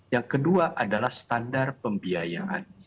yang kedua adalah standar pembiayaan